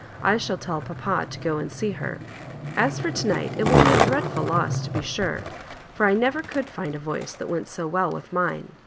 I shall tell papa to go and see her. As for to night it will be a dreadful loss to be sure, for I never could find a voice that went so well with mine.